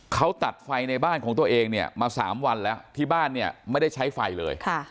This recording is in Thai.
เขาตัดไฟในบ้านของตัวเองเนี่ยมา๓วันแล้วที่บ้านเนี่ยไม่ได้ใช้ไฟเลย